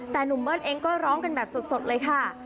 แต่หนุ่มเบิ้ลเองก็ร้องกันแบบสดเลยค่ะ